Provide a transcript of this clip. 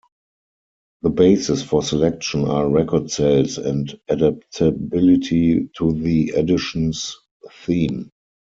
The basis for selection are record sales and adaptability to the edition's theme.